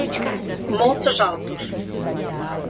Montes Altos